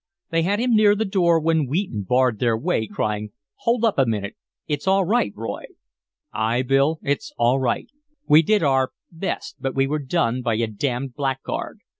They had him near the door when Wheaton barred their way, crying: "Hold up a minute it's all right, Roy " "Ay, Bill it's all right. We did our best, but we were done by a damned blackguard.